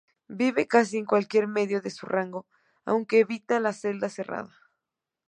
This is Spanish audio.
Vive casi en cualquier medio de su rango, aunque evita la selva cerrada.